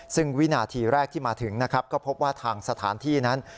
ซึ่งวินาทีแรกที่มาถึงนะครับก็พบว่าทางสถานที่นั้น